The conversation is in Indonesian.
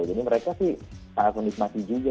jadi mereka sih sangat menikmati juga